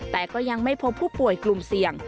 แต่ก็ยังไม่พบผู้ป่วยกลุ่มเสี่ยง